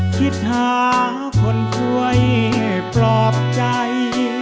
คิดหาคนช่วยปลอบใจ